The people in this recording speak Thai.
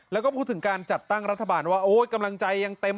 ไมค์จะช็อตแต่คุณพิธาไม่เคยช็อตไมค์